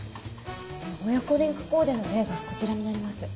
親子リンクコーデの例がこちらになります。